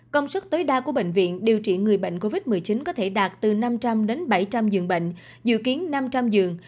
công suất tối đa của bệnh viện điều trị người bệnh covid một mươi chín có thể đạt từ năm trăm linh đến bảy trăm linh giường bệnh dự kiến năm trăm linh giường